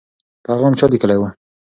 پیغام چا لیکلی و؟